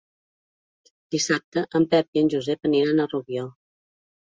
Dissabte en Pep i en Josep aniran a Rubió.